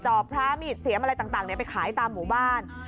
จอพระมิตรเสียงไปขายตามหมู่บ้าน